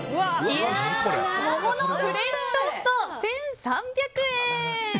桃のフレンチトースト１３００円。